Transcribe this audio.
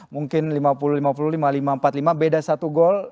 mungkin lima puluh lima puluh lima lima ratus empat puluh lima beda satu gol